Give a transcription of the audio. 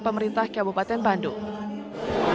pemerintah kabupaten bandung